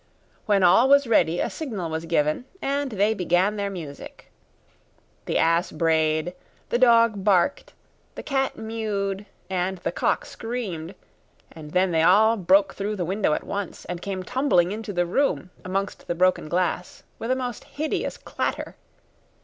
When all was ready a signal was given, and they began their music. The ass brayed, the dog barked, the cat mewed, and the cock screamed; and then they all broke through the window at once, and came tumbling into the room, amongst the broken glass, with a most hideous clatter!